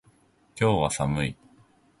今日は寒い。